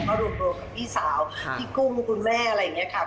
เพราะรวมโดนกับพี่สาวพี่คุ้มคุณแม่อะไรอย่างเงี้ยค่ะ